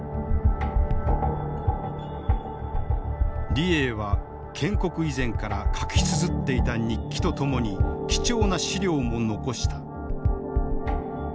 李鋭は建国以前から書きつづっていた日記とともに貴重な史料も残した。